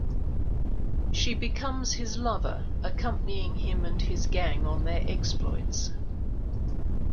She becomes his lover, accompanying him and his gang on their exploits.